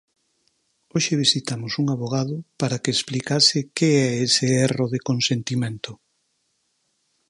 Hoxe visitamos un avogado para que explicase que é ese erro de consentimento.